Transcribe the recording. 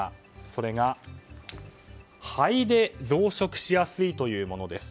それが肺で増殖しやすいというものです。